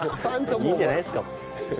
いいじゃないですか。